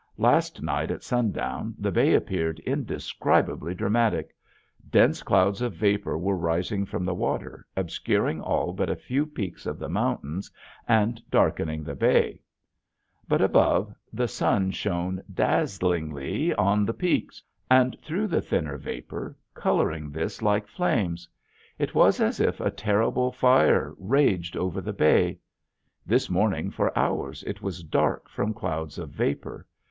Last night at sundown the bay appeared indescribably dramatic. Dense clouds of vapor were rising from the water obscuring all but a few peaks of the mountains and darkening the bay. But above the sun shone dazzlingly on the peaks and through the thinner vapor, coloring this like flames. It was as if a terrible fire raged over the bay. This morning for hours it was dark from clouds of vapor.